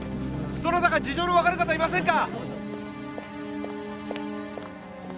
どなたか事情のわかる方いませんか？